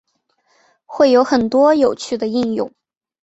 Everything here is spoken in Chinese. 会有很多有趣的应用